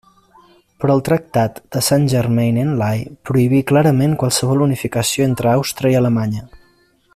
Però el Tractat de Saint-Germain-en-Laye prohibí clarament qualsevol unificació entre Àustria i Alemanya.